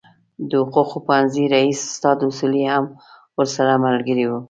د حقوقو پوهنځي رئیس استاد اصولي هم ورسره ملګری و.